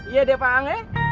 iya deh pak ang